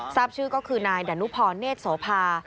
ทราบชื่อก็คือนายดานุพรเนธโสภา